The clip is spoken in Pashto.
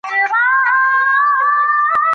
سوب د بریالیتوب په مانا کارول کېږي.